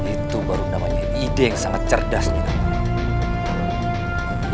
itu baru namanya ide yang sangat cerdas nyi nawang